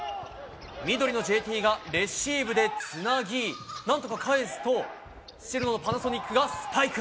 緑のＪＴがレシーブでつなぎ何とか返すと白のパナソニックがスパイク。